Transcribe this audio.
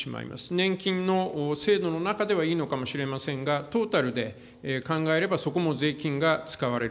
年金の制度の中ではいいのかもしれませんが、トータルで考えれば、そこも税金が使われる。